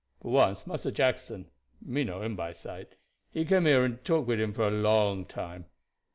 But once Massa Jackson me know him by sight he came here and talk wid him for a long time.